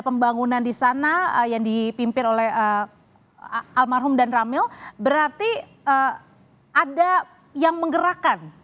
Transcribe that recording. pembangunan di sana yang dipimpin oleh almarhum dan ramil berarti ada yang menggerakkan